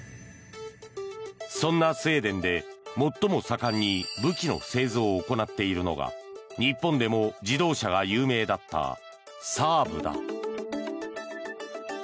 そんなスウェーデンで最も盛んに武器の製造を行っているのが日本でも自動車が有名だったＳＡＡＢだ。